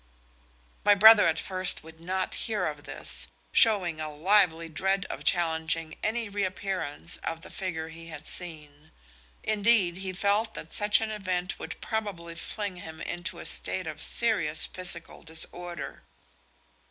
My brother at first would not hear of this, showing a lively dread of challenging any reappearance of the figure he had seen: indeed he felt that such an event would probably fling him into a state of serious physical disorder.